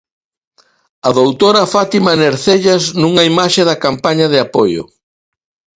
A doutora Fátima Nercellas, nunha imaxe da campaña de apoio.